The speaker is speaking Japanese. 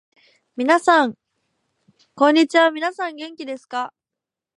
こんにちは、みなさん元気ですか？